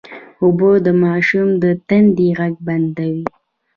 اوبه د ماشوم د تندې غږ بندوي